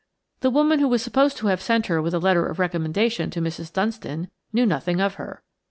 The woman who was supposed to have sent her with a letter of recommendation to Mrs. Dunstan knew nothing of her.